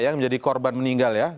yang menjadi korban meninggal ya